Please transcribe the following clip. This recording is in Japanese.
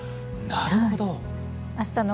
なるほど。